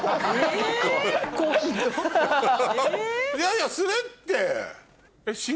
いやいやするって！